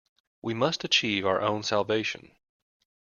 We must achieve our own salvation.